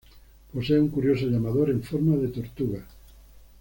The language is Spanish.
Posee un curioso llamador en forma de tortuga.